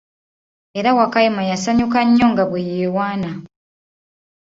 Era Wakayima yasanyuka nnyo nga bwe yewaana.